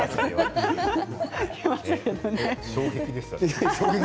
衝撃でしたね。